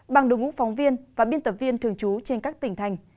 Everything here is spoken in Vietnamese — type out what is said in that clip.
bằng đồng ngũ phóng viên và biên tập viên thường trú trên các tỉnh thành